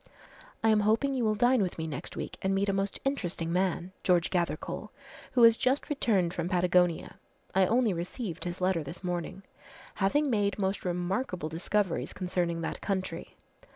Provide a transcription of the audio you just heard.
"I am hoping you will dine with me next week and meet a most interesting man, George Gathercole, who has just returned from Patagonia, I only received his letter this morning having made most remarkable discoveries concerning that country.